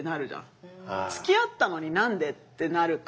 つきあったのに何で？ってなるから。